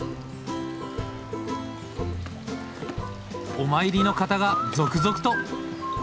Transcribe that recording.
お参りの方が続々と。